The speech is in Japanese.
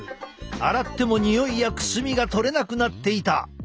洗ってもにおいやくすみが取れなくなっていた。